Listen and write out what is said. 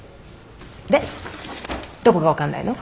でどこが分かんないの？